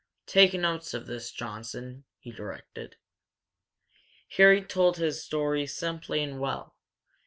"Take notes of this, Johnson," he directed. Harry told his story simply and well.